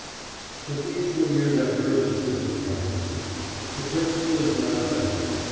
But these were mere divergences of practice. The principle is not affected.